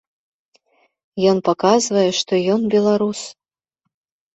Ён паказвае, што ён беларус.